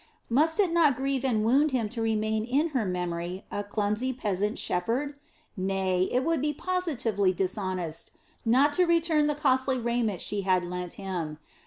Must it not grieve and wound him to remain in her memory a clumsy peasant shepherd? Nay, it would be positively dishonest not to return the costly raiment she had lent him.